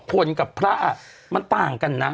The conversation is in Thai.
พลกับพระมันต่างกันนะ